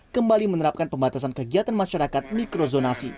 kembali menerapkan pembatasan kegiatan masyarakat mikrozonasi